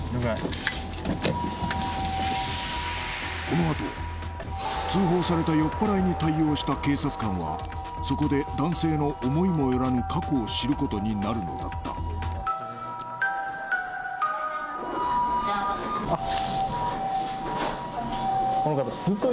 このあと通報された酔っ払いに対応した警察官はそこで男性の思いもよらぬ過去を知ることになるのだったあっ